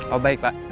oh baik pak